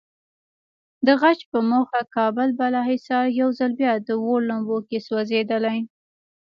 د غچ په موخه کابل بالاحصار یو ځل بیا د اور لمبو کې سوځېدلی.